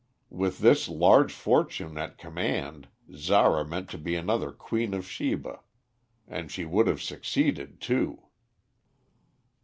With this large fortune at command Zara meant to be another Queen of Sheba. And she would have succeeded, too."